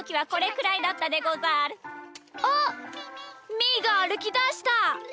みーがあるきだした！